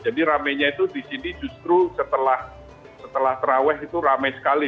jadi rame nya itu di sini justru setelah terawih itu rame sekali